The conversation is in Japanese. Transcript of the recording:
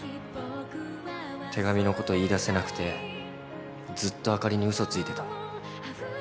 手紙のこと言いだせなくてずっとあかりに嘘ついてた。